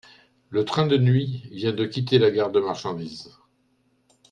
Le train de nuit vient de quitter la gare de marchandise.